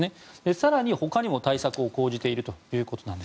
更に他にも対策を講じていると。